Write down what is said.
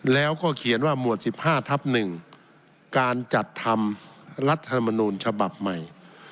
แล้วก็เขียนว่าหมวด๑๕ทับ๑การจัดทำรัฐธรรมนูญฉบับใหม่